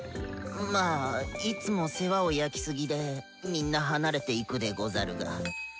まあいつも世話を焼きすぎでみんな離れていくでござるが。